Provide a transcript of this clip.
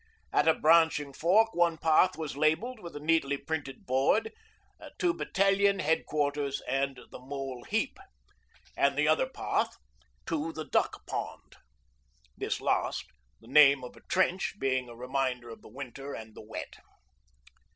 At a branching fork one path was labelled with a neatly printed board 'To Battn. H.Q. and the Mole Heap,' and the other path 'To the Duck Pond' this last, the name of a trench, being a reminder of the winter and the wet.